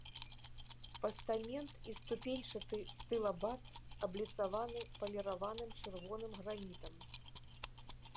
Пастамент і ступеньчаты стылабат абліцаваны паліраваным чырвоным гранітам.